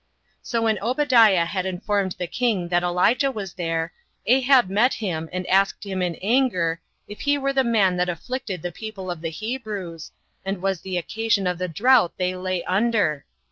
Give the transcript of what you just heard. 5. So when Obadiah had informed the king that Elijah was there, Ahab met him, and asked him, in anger, if he were the man that afflicted the people of the Hebrews, and was the occasion of the drought they lay under?